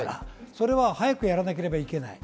早くやらなければいけない。